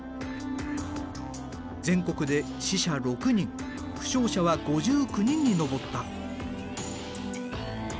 全国で死者６人負傷者は５９人に上った。